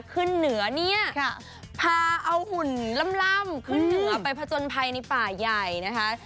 ขึ้นเหนือเนี่ยพาเอาหุ่นล่ำขึ้นเหนือไปผจญภัยในป่าใหญ่นะคะ